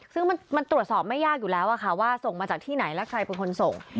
ซึ่งมันตรวจสอบไม่ยากอยู่แล้วว่าส่งมาจากที่ไหนและใครเป็นคนส่ง